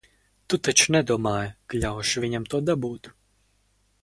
Tu taču nedomāji, ka ļaušu viņam to dabūt?